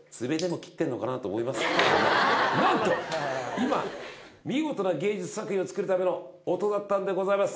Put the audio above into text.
なんと今見事な芸術作品を作るための音だったんでございます。